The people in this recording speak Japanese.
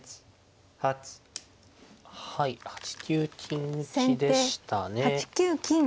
はい８九金打でしたね。